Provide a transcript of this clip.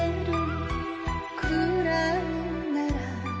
「くらいなら」